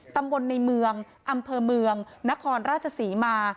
ตำบลในเมืองอำเภอเมืองนครราชศรีมา